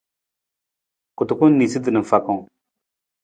Kutukun niisutu na fakang.